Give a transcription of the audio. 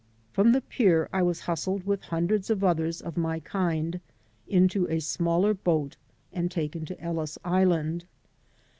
Prom the pier I was hustled with hundreds of others of my kind into a smaller boat and taken to Ellis Island.